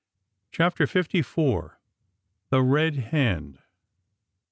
CHAPTER FIFTY FOUR. THE RED HAND.